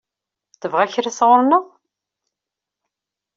Tebɣa kra sɣur-neɣ?